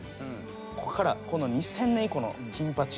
ここから２０００年以降の金八